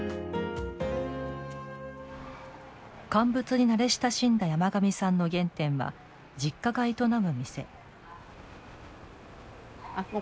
乾物に慣れ親しんだ山上さんの原点は、実家が営む店。